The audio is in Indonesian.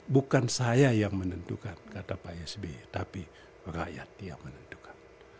bukan saya yang menentukan kata pak sby tapi rakyat yang menentukan